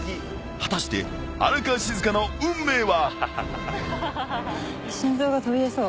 ［果たして荒川静香の運命は］